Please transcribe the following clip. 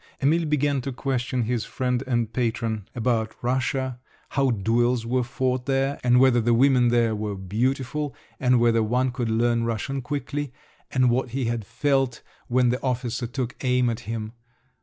Emil began to question his friend and patron about Russia, how duels were fought there, and whether the women there were beautiful, and whether one could learn Russian quickly, and what he had felt when the officer took aim at him.